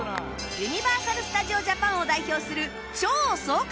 ユニバーサル・スタジオ・ジャパンを代表する超爽快